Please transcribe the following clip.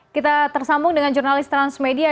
kita tersambung dengan jurnalis transmedia